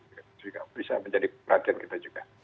itu juga bisa menjadi perhatian kita juga